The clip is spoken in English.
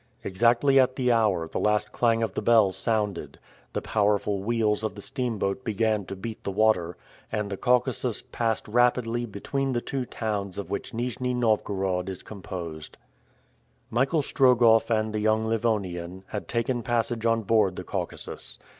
Exactly at the hour the last clang of the bell sounded, the powerful wheels of the steamboat began to beat the water, and the Caucasus passed rapidly between the two towns of which Nijni Novgorod is composed. Michael Strogoff and the young Livonian had taken a passage on board the Caucasus.